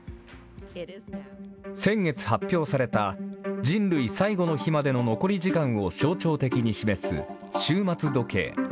先月発表された、人類最後の日までの残り時間を象徴的に示す、終末時計。